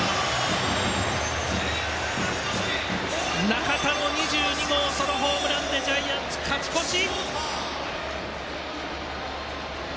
中田の２２号ソロホームランでジャイアンツ、勝ち越し！